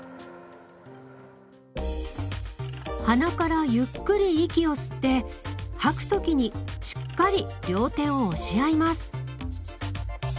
鼻からゆっくり息を吸って吐く時にしっかり両手を押し合います。